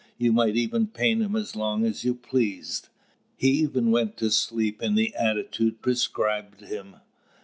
You might even paint him as long as you pleased; he even went to sleep in the attitude prescribed him.